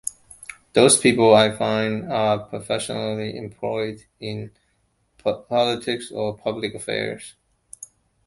Those people, I find, are professionally employed in politics or public affairs.